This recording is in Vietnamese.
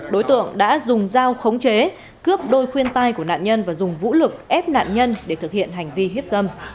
đối tượng đã dùng dao khống chế cướp đôi khuyên tai của nạn nhân và dùng vũ lực ép nạn nhân để thực hiện hành vi hiếp dâm